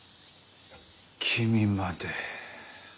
君まで。